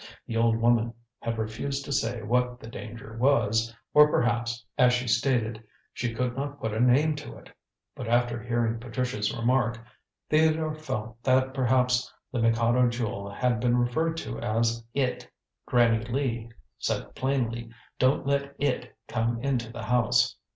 The old woman had refused to say what the danger was, or perhaps as she stated she could not put a name to it. But after hearing Patricia's remark, Theodore felt that perhaps the Mikado Jewel had been referred to as "It." Granny Lee had said plainly: "Don't let It come into the house!"